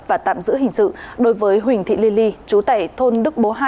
và tạm giữ hình sự đối với huỳnh thị ly ly chú tẩy thôn đức bố hai